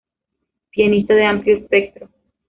Pianista de amplio espectro.